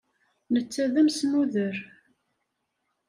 Netta d amesnuder.